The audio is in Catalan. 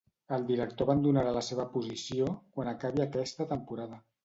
El director abandonarà la seva posició quan acabi aquesta temporada.